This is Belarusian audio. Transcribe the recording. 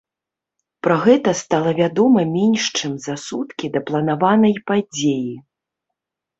Пра гэта стала вядома менш чым за суткі да планаванай падзеі.